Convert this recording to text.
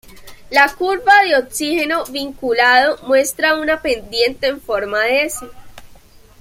La curva del oxígeno vinculado muestra una pendiente en forma de "S".